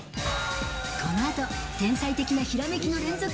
このあと、天才的なひらめきの連続？